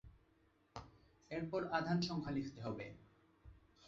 এরপর আধান সংখ্যা লিখতে হবে।